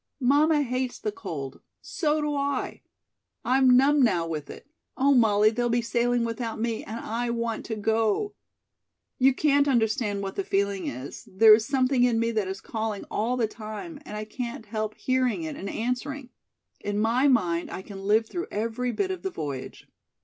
Mamma hates the cold. So do I. I'm numb now with it. Oh, Molly, they'll be sailing without me, and I want to go. You can't understand what the feeling is. There is something in me that is calling all the time, and I can't help hearing it and answering. In my mind I can live through every bit of the voyage.